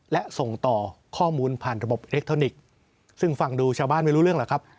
และส่งต่อข้อมูลผ่านระบบซึ่งฟังดูชาวบ้านไม่รู้เรื่องเหรอครับ